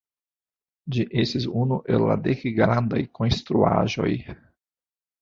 Ĝi estis unu el la "dek grandaj konstruaĵoj".